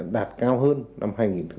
đạt cao hơn năm hai nghìn một mươi tám